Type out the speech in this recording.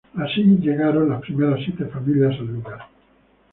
Así llegaron las primeras siete familias al lugar.